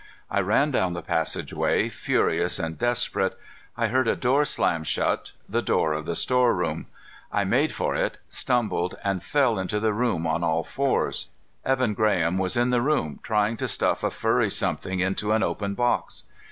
I ran down the passageway, furious and desperate, I heard a door slam shut the door of the storeroom! I made for it, stumbled, and fell into the room on all fours. Evan Graham was in the room, trying to stuff a furry something into an open box!